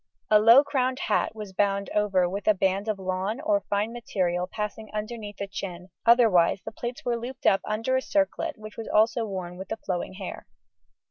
A low crowned hat was bound over with a band of lawn or fine material passing underneath the chin, otherwise the plaits were looped up under a circlet which was also worn with the flowing hair.